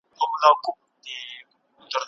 هغه کوټه چې کړکۍ نهلري، ډېره یخه ده.